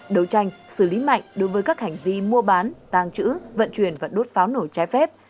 đấu tranh xử lý mạnh đối với các hành vi mua bán tàng trữ vận chuyển và đốt pháo nổi trái phép